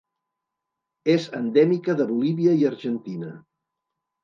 És endèmica de Bolívia i Argentina.